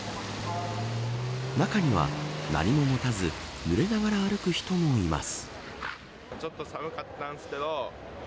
中には何も持たずぬれながら歩く人もいます。